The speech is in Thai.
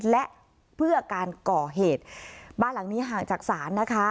และเพื่อการก่อเหตุบ้านหลังนี้ห่างจากศาลนะคะ